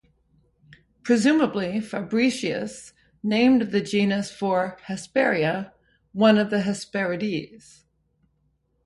Presumably Fabricius named the genus for Hesperia, one of the Hesperides.